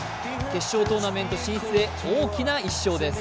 決勝トーナメント進出へ大きな１勝です。